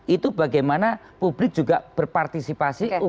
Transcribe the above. itu bagaimana publik juga berpartisipasi